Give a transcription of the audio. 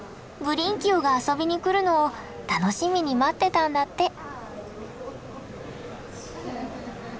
ブリンキオが遊びに来るのを楽しみに待ってたんだって。